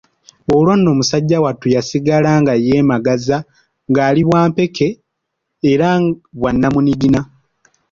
Olwo nno musajja wattu yasigala nga yeemagaza ng'ali bwa ppeke era bwa nnamunigina.